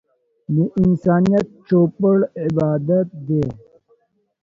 د انسانيت چوپړ عبادت دی.